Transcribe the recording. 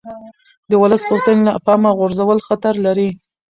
د ولس غوښتنې له پامه غورځول خطر لري